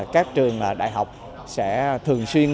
các trường đại học sẽ thường xuyên